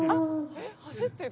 走ってる？